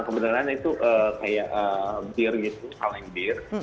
kebenarannya itu kayak beer gitu saling beer